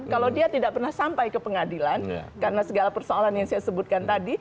kalau dia tidak pernah sampai ke pengadilan karena segala persoalan yang saya sebutkan tadi